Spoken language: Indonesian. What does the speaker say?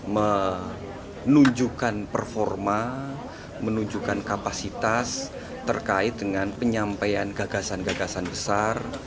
menunjukkan performa menunjukkan kapasitas terkait dengan penyampaian gagasan gagasan besar